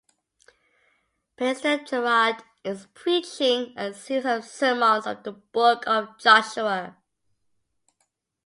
Pastor Jarrett is preaching a series of sermons on the book of Joshua.